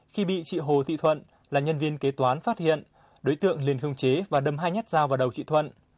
khi bị chị hồ thị thuận là nhân viên kế toán phát hiện đối tượng liền hương chế và đâm hai nhát dao vào đầu chị thuận